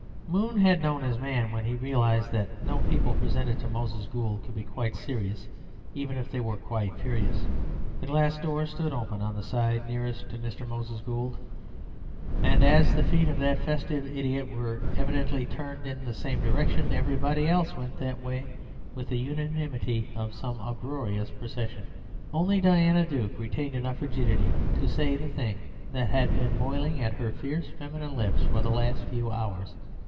Moon had known his man when he realized that no people presented to Moses Gould could be quite serious, even if they were quite furious. The glass doors stood open on the side nearest to Mr. Moses Gould; and as the feet of that festive idiot were evidently turned in the same direction, everybody else went that way with the unanimity of some uproarious procession. Only Diana Duke retained enough rigidity to say the thing that had been boiling at her fierce feminine lips for the last few hours.